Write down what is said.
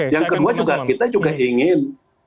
yang kedua juga kita juga ingin